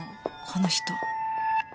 この人